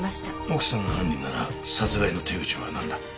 奥さんが犯人なら殺害の手口はなんだ？